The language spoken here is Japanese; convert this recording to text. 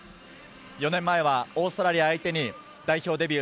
４年前はオーストラリア相手に代表デビュー。